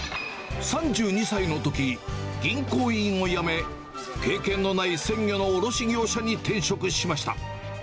３２歳のとき、銀行員を辞め、経験のない鮮魚の卸業者に転職しました。